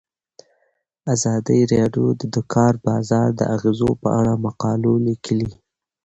ازادي راډیو د د کار بازار د اغیزو په اړه مقالو لیکلي.